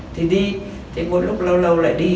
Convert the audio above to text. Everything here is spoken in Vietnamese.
thì đi thì một lúc lâu lâu lại đi